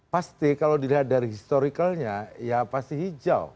pasti kalau dilihat dari historicalnya ya pasti hijau